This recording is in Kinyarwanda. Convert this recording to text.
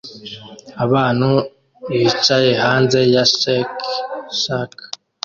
Abantu bicaye hanze ya Shake Shack